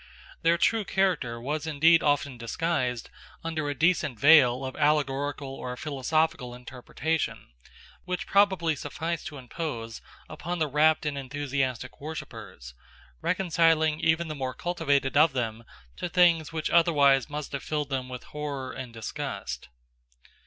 Their true character was indeed often disguised under a decent veil of allegorical or philosophical interpretation, which probably sufficed to impose upon the rapt and enthusiastic worshippers, reconciling even the more cultivated of them to things which otherwise must have filled them with horror and disgust.